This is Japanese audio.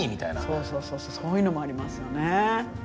そうそうそうそういうのもありますよね。